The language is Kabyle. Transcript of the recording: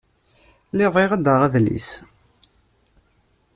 Lliɣ bɣiɣ ad ɣreɣ adlis.